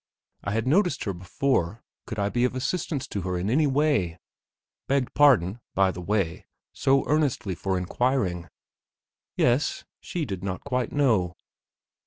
I had noticed her before; could I be of assistance to her in any way? begged pardon, by the way, so earnestly for inquiring. Yes; she didn't quite know....